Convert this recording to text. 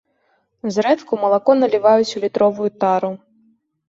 Зрэдку малако наліваюць у літровую тару.